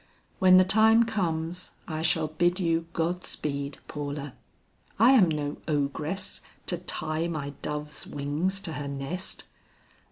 "When the time comes, I shall bid you God speed, Paula. I am no ogress to tie my dove's wings to her nest.